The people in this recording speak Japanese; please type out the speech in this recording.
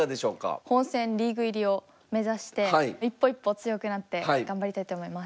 本選リーグ入りを目指して一歩一歩強くなって頑張りたいと思います。